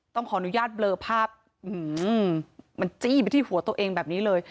ต้องขออนุญาตเบลอภาพมันจี้ไปที่หัวตัวเองแบบนี้เลย